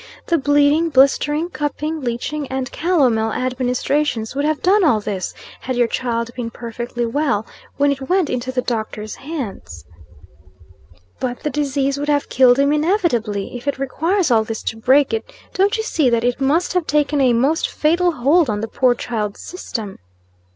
The bleeding, blistering, cupping, leeching, and calomel administrations, would have done all this, had your child been perfectly well when it went into the doctor's hands." "But the disease would have killed him inevitably. If it requires all this to break it, don't you see that it must have taken a most fatal hold on the poor child's system."